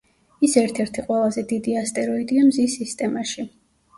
ის ერთ-ერთი ყველაზე დიდი ასტეროიდია მზის სისტემაში.